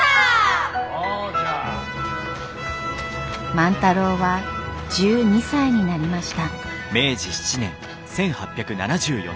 万太郎は１２歳になりました。